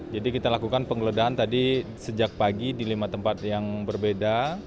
jadi kita lakukan pengeledahan tadi sejak pagi di lima tempat yang berbeda